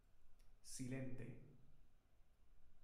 Silente!